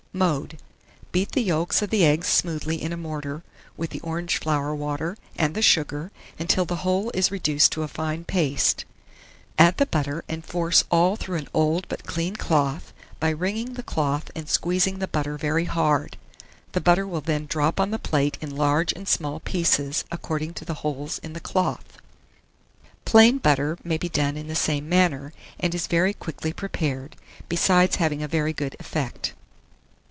Mode. Beat the yolks of the eggs smoothly in a mortar, with the orange flower water and the sugar, until the whole is reduced to a fine paste; add the butter, and force all through an old but clean cloth by wringing the cloth and squeezing the butter very hard. The butter will then drop on the plate in large and small pieces, according to the holes in the cloth. Plain butter may be done in the same manner, and is very quickly prepared, besides having a very good effect.